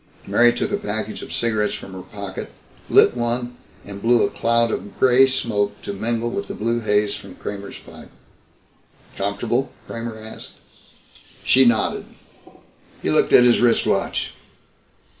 Mary took a package of cigarettes from her pocket, lit one and blew a cloud of gray smoke to mingle with the blue haze from Kramer's pipe. "Comfortable?" Kramer asked. She nodded. He looked at his wrist watch.